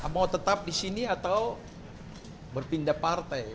mau tetap di sini atau berpindah partai